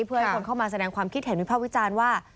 เพื่อให้คนเข้ามาแสดงความคิดเห็นวิภาควิจารณ์ว่า